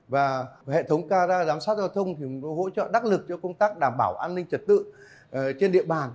và hệ thống cao ra giám sát giao thông hỗ trợ đắc lực cho công tác đảm bảo an ninh trật tự trên địa bàn